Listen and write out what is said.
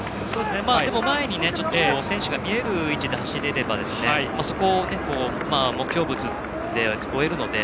でも前に選手が見える位置で走れればそこを目標物として追えるので。